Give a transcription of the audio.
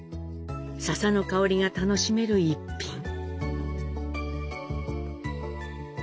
笹の香りが楽しめる一品。